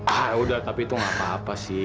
ah ya udah tapi itu nggak apa apa sih